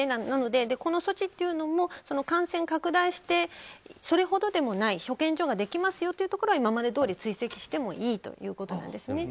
なのでこの措置っていうのも感染拡大してそれほどでもない保健所ができますよというところは今までどおり追跡してもいいということです。